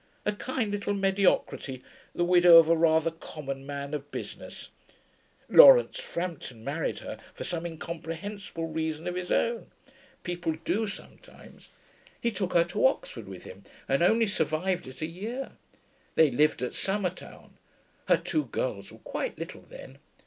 A kind little mediocrity, the widow of a rather common man of business. Laurence Frampton married her, for some incomprehensible reason of his own; people do sometimes. He took her to Oxford with him, and only survived it a year. They lived at Summertown. Her two girls were quite little then.